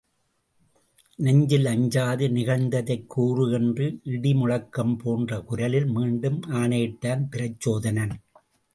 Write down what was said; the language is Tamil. நெஞ்சில் அஞ்சாது நிகழ்ந்ததைக் கூறு என்று இடிமுழக்கம் போன்ற குரலில் மீண்டும் ஆணையிட்டான் பிரச்சோதனன்.